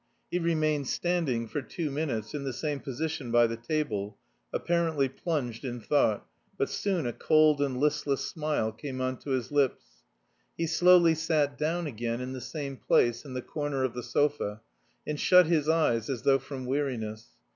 He remained standing for two minutes in the same position by the table, apparently plunged in thought, but soon a cold and listless smile came on to his lips. He slowly sat down again in the same place in the corner of the sofa, and shut his eyes as though from weariness.